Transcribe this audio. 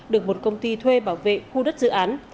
được một công ty thuê bảo vệ khu đất dự án